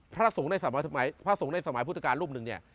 พระสงฆ์ในสมัยพุรุธกาลรูปหนึ่งเนี่ย